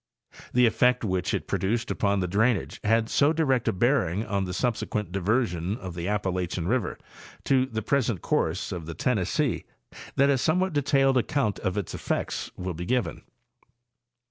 The effect which it pro duced upon the drainage had so direct a bearing on the subse quent diversion of the Appalachian river to the present course of the Tennessee that a somewhat detailed account of its effects will be given.